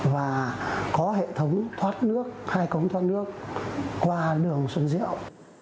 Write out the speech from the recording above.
và có hệ thống thoát nước hai cống thoát nước qua đường xuân diệu